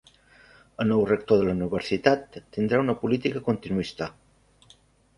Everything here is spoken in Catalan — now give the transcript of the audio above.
El nou rector de la universitat tindrà una política continuista